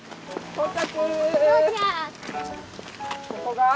到着！